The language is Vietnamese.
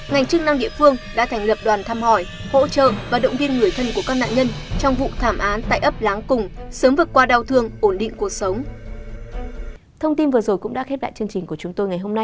ngành chức năng địa phương đã thành lập đoàn thăm hỏi hỗ trợ và động viên người thân của các nạn nhân trong vụ thảm án tại ấp láng cùng sớm vượt qua đau thương ổn định cuộc sống